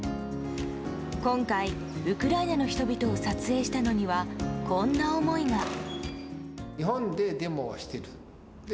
今回、ウクライナの人々を撮影したのにはこんな思いが。